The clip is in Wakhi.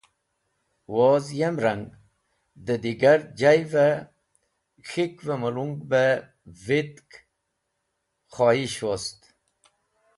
Woz yem rang, dẽ digar jay’v-e K̃hik’v-e mulung be vitk khoyes̃h wost.